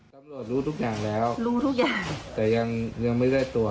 ตำรวจรู้ทุกอย่างแล้วแต่ยังไม่ได้ตัว